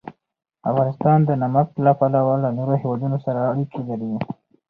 افغانستان د نمک له پلوه له نورو هېوادونو سره اړیکې لري.